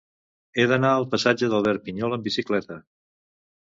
He d'anar al passatge d'Albert Pinyol amb bicicleta.